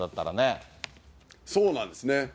そうなんですね。